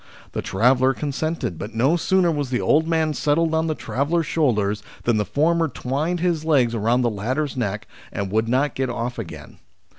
The traveller consented, but no sooner was the old man settled on the traveller's shoulders than the former twined his legs round the latter's neck, and would not get off again.